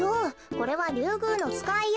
これはリュウグウノツカイよ。